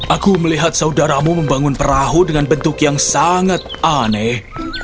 aku melihat saudaramu membangun perahu dengan bentuk yang sangat aneh